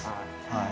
はい。